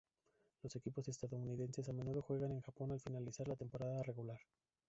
Los equipos estadounidenses a menudo juegan en Japón al finalizar la temporada regular.